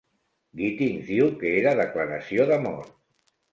Gittings diu que era "declaració d'amor".